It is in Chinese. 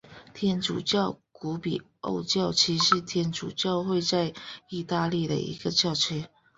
天主教古比奥教区是天主教会在义大利的一个教区。